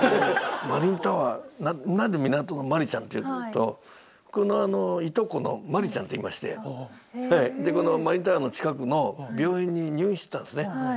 マリンタワー何で「港のマリちゃん」っていうかといとこのマリちゃんっていましてこのマリンタワーの近くの病院に入院してたんですね。